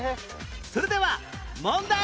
それでは問題